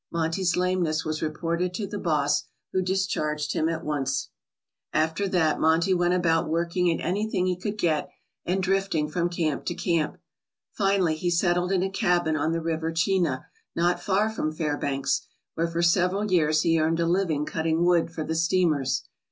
Monte's lameness was re ported to the boss, who discharged him at once. After that, Monte went about working at anything he could get and drifting from camp to camp. Finally, he settled in a cabin on the River Cheena not far from Fair banks, where for several years he earned a living cutting wood for the steamers.